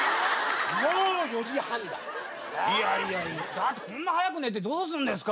だってこんな早く寝てどうすんですか？